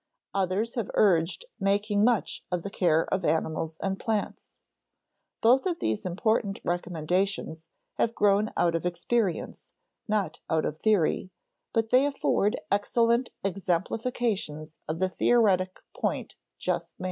Others have urged making much of the care of animals and plants. Both of these important recommendations have grown out of experience, not out of theory, but they afford excellent exemplifications of the theoretic point just made.